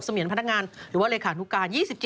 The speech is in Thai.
เมียนพนักงานหรือว่าเลขานุการ๒๗